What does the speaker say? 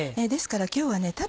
ですから今日はね